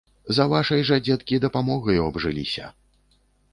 За вашай жа, дзеткі, дапамогаю абжыліся.